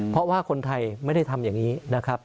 เพราะว่าคนไทยไม่ได้ทำอย่างนี้นะครับ